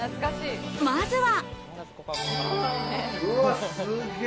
まずは。